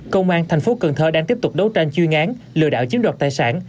công an thành phố cần thơ đang tiếp tục đấu tranh chuyên án lừa đảo chiếm đoạt tài sản